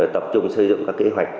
tập trung xây dựng các kế hoạch